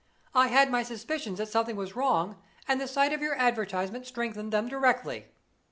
I had my suspicions that something was wrong, and the sight of your advertisement strengthened them directly.